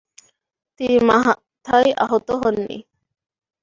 তিনি মাথায় আহত হননি।